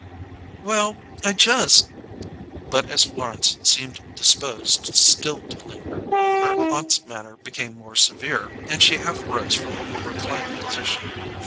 "Well, I just " But as Florence seemed disposed still to linger, her aunt's manner became more severe, and she half rose from her reclining position.